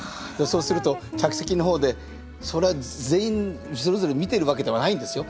そうすると客席の方でそれは全員それぞれ見てるわけではないんですよ。